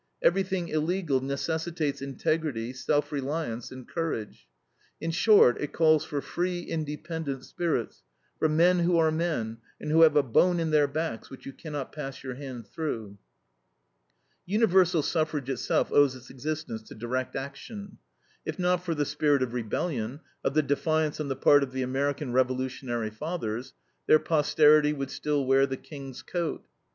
Everything illegal necessitates integrity, self reliance, and courage. In short, it calls for free, independent spirits, for "men who are men, and who have a bone in their backs which you cannot pass your hand through." Universal suffrage itself owes its existence to direct action. If not for the spirit of rebellion, of the defiance on the part of the American revolutionary fathers, their posterity would still wear the King's coat.